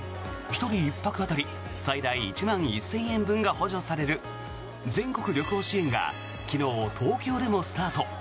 １人１泊当たり最大１万１０００円分が補助される全国旅行支援が昨日、東京でもスタート。